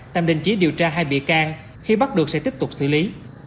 tạm đình chỉ điều tra hai bị can khi bắt được sẽ tiếp tục xử lý